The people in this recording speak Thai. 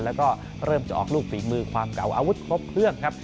แล้วก็เริ่มจะออกลูกฝีมือความเก่าอาวุธครบเครื่องครับ